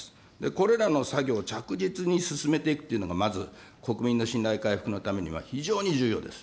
これらの作業を着実に進めていくというのが、まず、国民の信頼回復のためには非常に重要です。